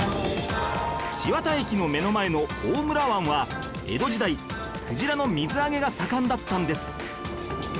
千綿駅の目の前の大村湾は江戸時代クジラの水揚げが盛んだったんです